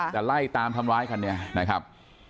แต่ไล่ตามทำร้ายคันนี้นะครับ